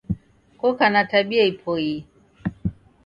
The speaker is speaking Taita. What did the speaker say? Koka na tabia ipoie.